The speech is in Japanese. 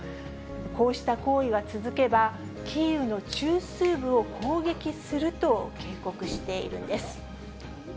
こうした行為が続けば、キーウの中枢部を攻撃すると警告しているんです。